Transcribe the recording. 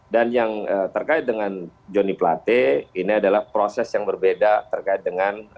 dan yang terkait dengan johnny plate ini adalah proses yang berbeda terkait dengan